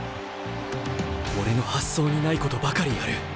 俺の発想にないことばかりやる。